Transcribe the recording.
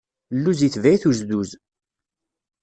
Lluz itebaɛ-it uzduz.